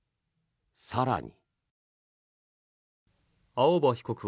更に。